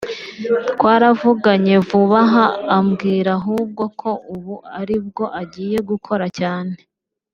twaravuganye vub’aha ambwira ahubwo ko ubu ari bwo agiye gukora cyane